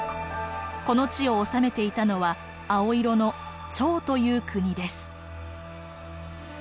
この地を治めていたのは青色の趙という国です。